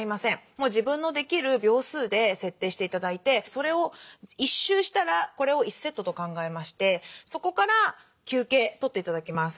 もう自分のできる秒数で設定して頂いてそれを１周したらこれを１セットと考えましてそこから休憩とって頂きます。